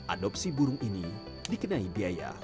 adopsi burung ini dikenai biaya